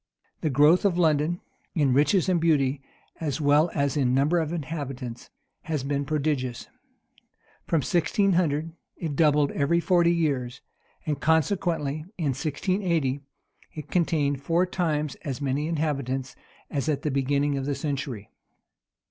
The growth of London, in riches and beauty, as well as in numbers of inhabitants, has been prodigious. From 1600, it doubled every forty years;[*] and consequently, in 1680, it contained four times as many inhabitants as at the beginning of the century.